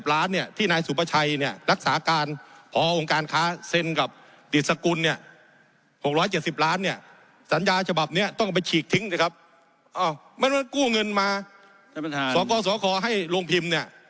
๖๗๐ล้านที่นายสุประชัย